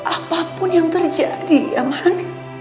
apapun yang terjadi ya mahan